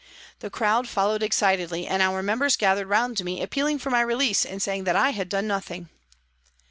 The crowd followed excitedly, and our members gathered round me, appealing for my release and saying that I had done nothing.